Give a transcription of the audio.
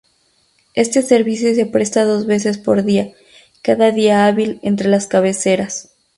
Este servicio se presta dos veces por día, cada día hábil entre las cabeceras.